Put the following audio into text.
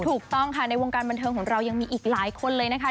ถูกต้องค่ะในวงการบันเทิงของเรายังมีอีกหลายคนเลยนะคะ